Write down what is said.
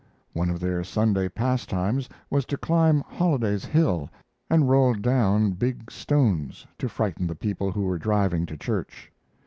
One of their Sunday pastimes was to climb Holliday's Hill and roll down big stones, to frighten the people who were driving to church.